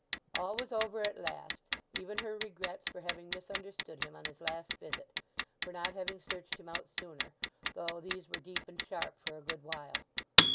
All was over at last, even her regrets for having misunderstood him on his last visit, for not having searched him out sooner, though these were deep and sharp for a good while.